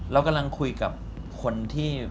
เรากำลังคุยกับคนที่